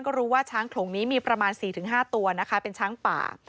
ก็รู้ว่าช้างโถงนี้มีประมาณ๔๕ตัวนะคะเป็นช้างป่า